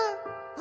「あ！」